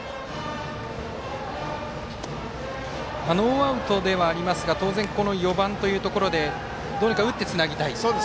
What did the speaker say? ノーアウトではありますが当然、４番というところでどうにか打ってつなぎたい。